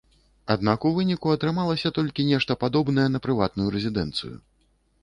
Аднак у выніку атрымалася толькі нешта падобнае на прыватную рэзідэнцыю.